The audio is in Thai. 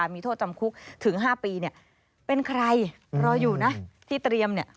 มีโทษจำคุกถึง๕ปีเนี่ยเป็นใครรออยู่นะที่เตรียมเนี่ย